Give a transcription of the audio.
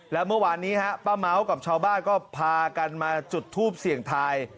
แล้วเมื่อวานนี้ฮะป้าเม้ากับชาวบ้านก็พากันมาจุดทูปเสี่ยงทาย